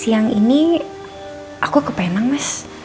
siang ini aku ke penang mas